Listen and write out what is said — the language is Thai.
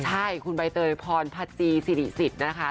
ใช่คุณใบเตยพรพจีสิริสิทธิ์นะคะ